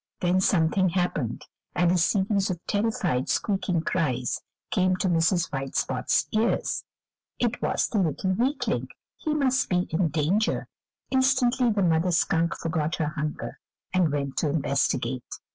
Then something happened, and a series of terrified squeaking cries came to Mrs. White Spot's ears; it was the little weakling; he must be in danger. Instantly the mother skunk forgot her hunger and went to investigate.